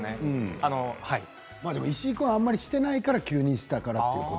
石井君はあまりしてないから急にしたから。